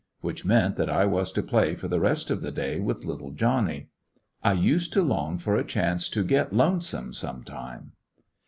Which meant that I was to play for the rest of the day with "little Johnny." I used to long for a chance to get "lonesome " some time.